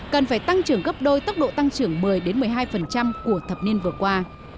cần phải tăng trưởng gấp đôi tốc độ tăng trưởng một mươi một mươi hai của thập niên vừa qua